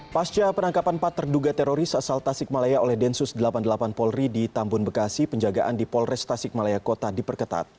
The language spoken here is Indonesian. pasca penangkapan empat terduga teroris asal tasikmalaya oleh densus delapan puluh delapan polri di tambun bekasi penjagaan di polres tasikmalaya kota diperketat